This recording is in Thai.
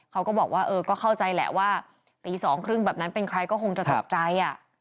เขาก็บอกว่าเออก็เข้าใจแหละว่าตี๒๓๐แบบนั้นเป็นใครก็คงจะตกใจ